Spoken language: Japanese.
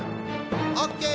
オッケー！